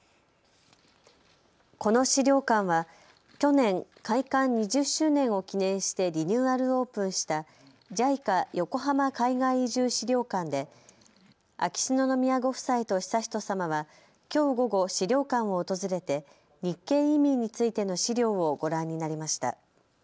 この資料館は去年、開館２０周年を記念してリニューアルオープンしたＪＩＣＡ横浜海外移住資料館で秋篠宮ご夫妻と悠仁さまはきょう午後、資料館を訪れて日系移民についての資料をご覧になりました。